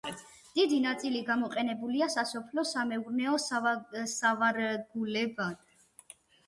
დიდი ნაწილი გამოყენებულია სასოფლო-სამეურნეო სავარგულებად.